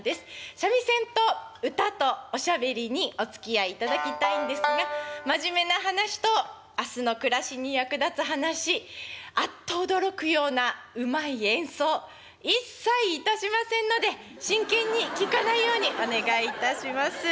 三味線と唄とおしゃべりにおつきあいいただきたいんですが真面目な話と明日の暮らしに役立つ話あっと驚くようなうまい演奏一切致しませんので真剣に聴かないようにお願いいたします。